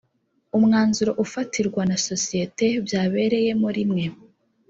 umwanzuro ufatirwa na sosiyete byabereyemo rimwe